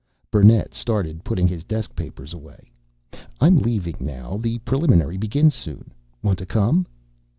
Burnett started putting his desk papers away. "I'm leaving now. The Preliminary begins soon. Want to come?"